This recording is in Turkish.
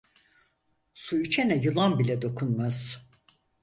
Su içene yılan bile dokunmaz.